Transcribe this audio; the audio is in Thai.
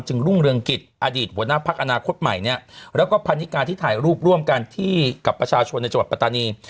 รุ่งเรืองกิจอดีตหัวหน้าพักอนาคตใหม่เนี่ยแล้วก็พันนิกาที่ถ่ายรูปร่วมกันที่กับประชาชนในจังหวัดปัตตานี